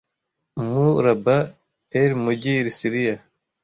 Mu laba n Ely mujyi Syria;